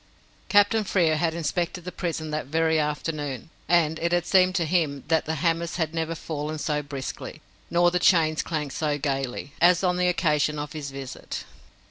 Captain Frere had inspected the prison that very afternoon, and it had seemed to him that the hammers had never fallen so briskly, nor the chains clanked so gaily, as on the occasion of his visit.